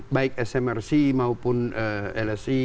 baik smrc maupun lsi